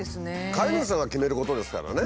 飼い主さんが決めることですからね。